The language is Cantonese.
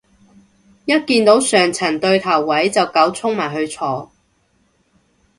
一見到上層對頭位就狗衝埋去坐